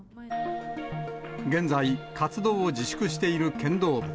現在、活動を自粛している剣道部。